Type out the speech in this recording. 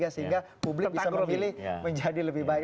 sehingga publik bisa memilih menjadi lebih baik